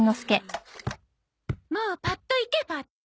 もうパッといけパッと。